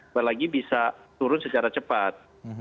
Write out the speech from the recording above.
apalagi bisa turun secara cepat